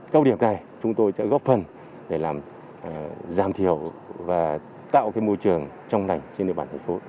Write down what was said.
câu điểm này chúng tôi sẽ góp phần để làm giảm thiểu và tạo cái môi trường trong này trên địa bàn thành phố